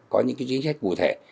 có những chính sách cụ thể